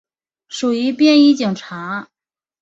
属于便衣警察。